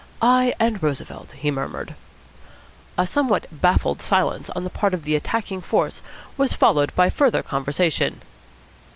"I and Roosevelt," he murmured. A somewhat baffled silence on the part of the attacking force was followed by further conversation.